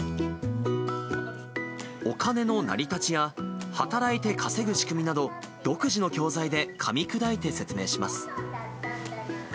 お金の成り立ちや働いて稼ぐ仕組みなど、独自の教材でかみ砕いて説明します。